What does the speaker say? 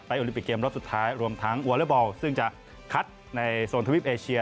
โอลิมปิกเกมรอบสุดท้ายรวมทั้งวอเลอร์บอลซึ่งจะคัดในโซนทวิปเอเชีย